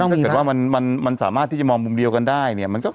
ถ้าเกิดว่ามันสามารถที่จะมองมุมเดียวกันได้เนี่ย